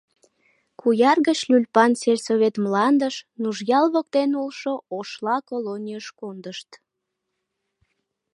Куяр гыч Лӱльпан сельсовет мландыш, Нужъял воктен улшо «Ошла» колонийыш кондышт.